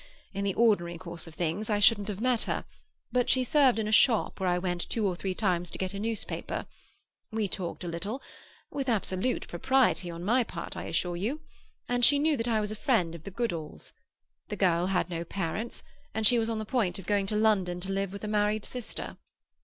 In the ordinary course of things I shouldn't have met her, but she served in a shop where I went two or three times to get a newspaper; we talked a little—with absolute propriety on my part, I assure you—and she knew that I was a friend of the Goodalls. The girl had no parents, and she was on the point of going to London to live with a married sister.